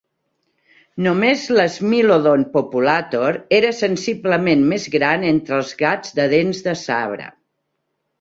Només l'"Smilodon populator" era sensiblement més gran entre els gats de dents de sabre.